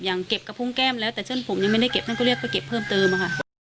อย่างเก็บกระพุ้งแก้มแล้วแต่เชื่อนผมยังไม่ได้เก็บนั่นก็เรียกว่าเก็บเพิ่มเติมค่ะ